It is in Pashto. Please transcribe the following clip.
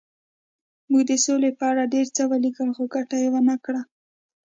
موږ د سولې په اړه ډېر څه ولیکل خو ګټه یې ونه کړه